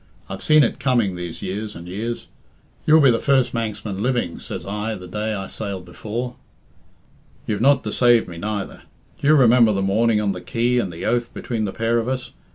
I've seen it coming these years and years. 'You'll be the first Manxman living,' says I the day I sailed before. You've not deceaved me neither. D'ye remember the morning on the quay, and the oath between the pair of us?